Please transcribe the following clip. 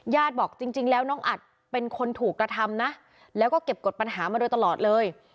บอกจริงแล้วน้องอัดเป็นคนถูกกระทำนะแล้วก็เก็บกฎปัญหามาโดยตลอดเลย